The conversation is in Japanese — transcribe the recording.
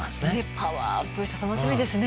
パワーアップして楽しみですね。